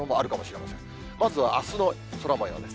まずはあすの空もようです。